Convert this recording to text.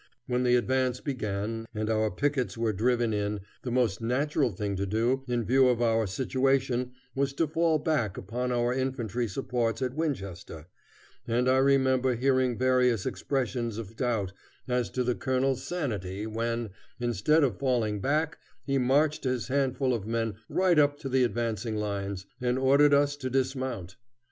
When the advance began, and our pickets were driven in, the most natural thing to do, in our view of the situation, was to fall back upon our infantry supports at Winchester, and I remember hearing various expressions of doubt as to the colonel's sanity when, instead of falling back, he marched his handful of men right up to the advancing lines, and ordered us to dismount.